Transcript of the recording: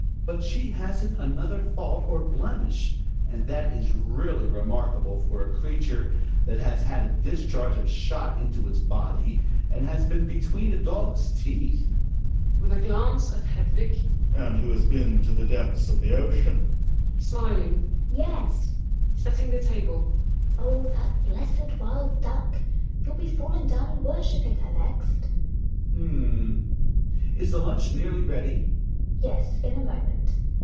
Hjalmar. But she^jbasn /jb another fault or blemish; and t hat is really remarkable f oi a creature that has had a discharge of shot into its body, and has been between a doge's teeth. \^,yc.^ 0^, Ixfiji^ S< . Gregers {tuith a glance at Hedvig). And who has been to the depths of the ocean ? Hedvig (smiling). Yes. GiNA {setting the table). Oh ! that blessed wild duck I Youll be fa lling down and worshipping he r next. Hjalmar. H'm — is the lunch nearly ready ? GiNA. Yes, in a moment.